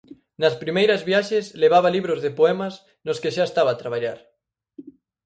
Nas primeiras viaxes levaba libros de poemas nos que xa estaba a traballar.